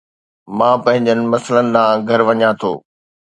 مان پنهنجي مسئلن ڏانهن گهر وڃان ٿو